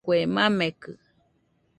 Kue makekɨ